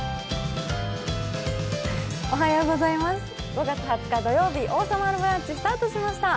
５月２０日土曜日、「王様のブランチ」、スタートしました。